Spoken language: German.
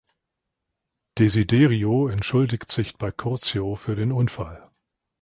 Desiderio entschuldigt sich bei Curzio für den Unfall.